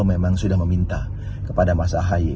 memang sudah meminta kepada mas ahy